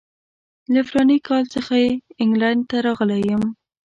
له فلاني کال څخه چې انګلینډ ته راغلی یم.